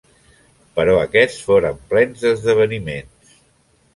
Però aquests foren plens d'esdeveniments.